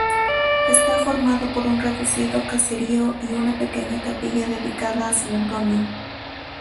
Está formada por un reducido caserío y una pequeña capilla dedicada a San Antonio.